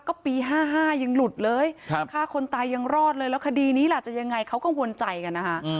ก็ปี๕๕ยังหลุดเลยฆ่าคนตายยังรอดเลยแล้วคดีนี้ล่ะจะยังไงเขากังวลใจกันนะคะ